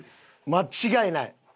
間違いない。